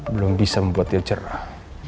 belum bisa membuat dia cerah